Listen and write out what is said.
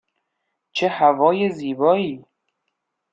چه هوای زیبایی!